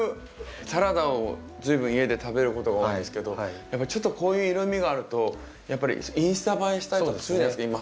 サラダを随分家で食べることが多いんですけどやっぱりちょっとこういう色みがあるとやっぱりインスタ映えしたりとかするじゃないですか今。